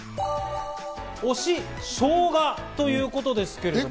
推しがしょうがということですけれども。